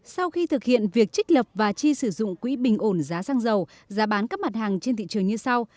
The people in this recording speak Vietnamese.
sau khi thực hiện việc trích lập và chi sử dụng quỹ bình ổn giá xăng dầu giá bán các mặt hàng trên thị trường như sau